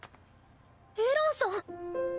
エランさん。